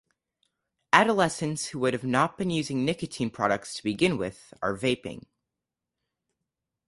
Adolescents who would have not been using nicotine products to begin with are vaping.